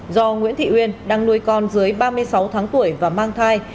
do nguyễn thị uyên đang nuôi con dưới ba mươi sáu tháng tuổi và mang thai